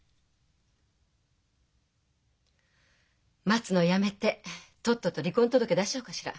待つのやめてとっとと離婚届出しちゃおうかしら？